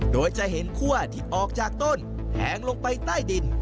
โดยจะเห็นคั่วที่ออกจากต้นแทงลงไปใต้ดิน